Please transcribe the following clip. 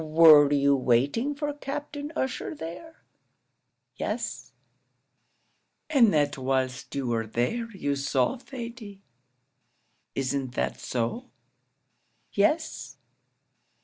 Were you waiting for Captain Ussher there?" "Yes." "And that whilst you were there you saw Thady; isn't that so?" "Yes."